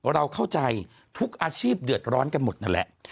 เราเข้าใจทุกอาชีพเดือดร้อนกันหมดนั่นแหละ